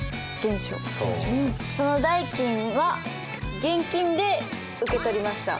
その代金は現金で受け取りました。